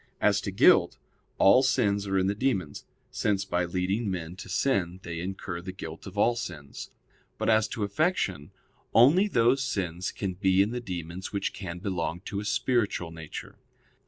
As to guilt, all sins are in the demons; since by leading men to sin they incur the guilt of all sins. But as to affection only those sins can be in the demons which can belong to a spiritual nature.